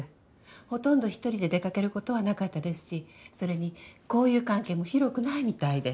ほとんど１人で出かけることはなかったですしそれに交友関係も広くないみたいで。